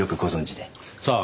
さあ。